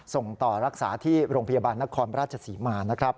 ส่งต่อรักษาที่โรงพยาบาลนครราชศรีมานะครับ